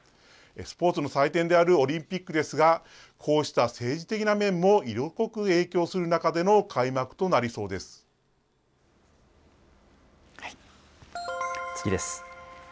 スポーツの祭典であるオリンピックですが、こうした政治的な面も色濃く影響する中での開幕となり次です。